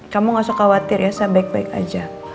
kamu gak usah khawatir ya saya baik baik aja